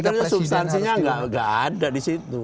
sebenarnya substansinya nggak ada di situ